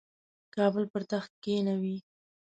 کابل پر تخت کښېنوي.